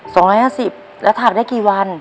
สองร้อยห้าสิบแล้วถักได้กี่วัน